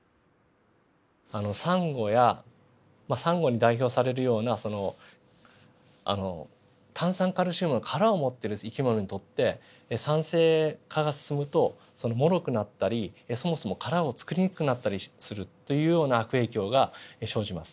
サンゴやまあサンゴに代表されるような炭酸カルシウムの殻を持っている生き物にとって酸性化が進むともろくなったりそもそも殻をつくりにくくなったりするというような悪影響が生じます。